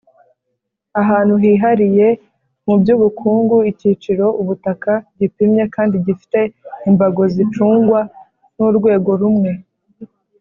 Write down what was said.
Ahantu hihariye mu by’ubukungu icyiciro ubutaka gipimye kandi gifite imbago gicungwa n’urwego rumwe